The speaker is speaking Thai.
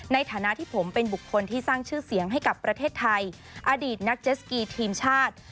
ในฐานะที่ผมเป็นบุคคลที่สร้างชื่อเสียงให้กับประเทศไทยอดีตนักเจสกีทีมชาติ